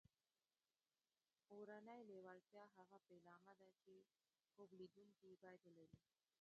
اورنۍ لېوالتیا هغه پیلامه ده چې خوب لیدونکي یې باید ولري